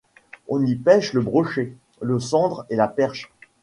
On y pêche le brochet, le sandre et la perche.